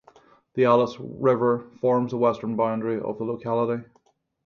The Alice River forms the western boundary of the locality.